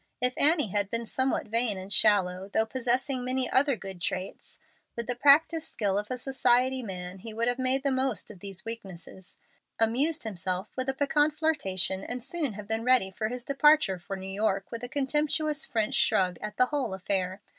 If Annie had been somewhat vain and shallow, though possessing many other good traits, with the practiced skill of a society man he would have made the most of these weaknesses, amused himself with a piquant flirtation, and soon have been ready for his departure for New York with a contemptuous French shrug at the whole affair.